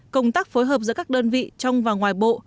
công tác phối hợp giữa các đơn vị trong và ngoài bộ